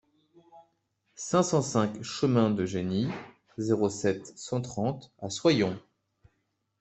cinq cent cinq chemin de Geny, zéro sept, cent trente à Soyons